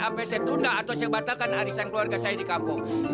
apesnya tunda atau saya batalkan arisan keluarga saya di kampung